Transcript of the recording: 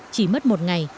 chỉ mất một ngày